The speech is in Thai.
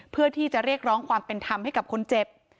เพื่อที่จะเรียกร้องความเป็นธรรมให้กับคนเจ็บ